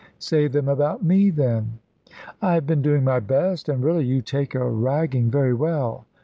"Say them about me, then." "I have been doing my best, and really, you take a ragging very well.